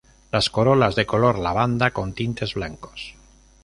Las corolas de color lavanda con tintes blancos.